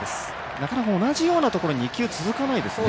なかなか同じようなところに２球、続かないですね。